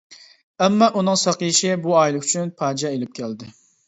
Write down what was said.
ئەمما ئۇنىڭ ساقىيىشى بۇ ئائىلە ئۈچۈن پاجىئە ئېلىپ كەلدى.